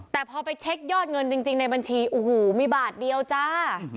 แต่พอไปเช็คยอดเงินจริงในบัญชีโอ้โหมีบาทเดียวจ้า